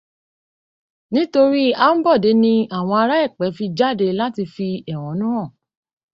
Nítorí Aḿbọ̀dé ni àwọn ará Ẹ̀pẹ́ fi jáde wá láti fi ẹ̀hónú hàn